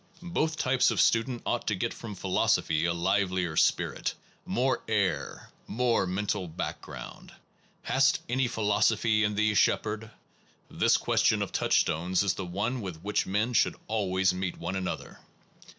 Both types of student ought to get from philosophy a livelier spirit, more air, more mental background. Hast any phi losophy in thee, Shepherd? this question of Touchstone s is the one with which men should always meet one another.